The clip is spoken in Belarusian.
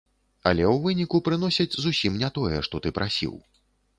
Але ў выніку прыносяць зусім не тое, што ты прасіў.